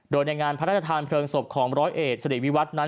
โดยในงานพระราชทานเพลิงศพของร้อยเอกสิริวิวัฒน์นั้น